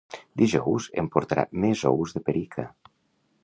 Dijous em portarà més ous de perica